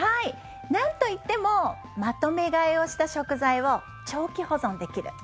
なんといってもまとめ買いをした食材を長期保存できる。